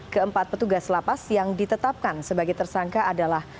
keempat petugas lapas yang ditetapkan sebagai tersangka adalah